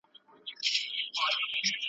له آسمانه هاتف ږغ کړل چي احمقه `